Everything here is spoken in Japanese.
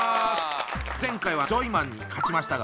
前回はジョイマンに勝ちましたが。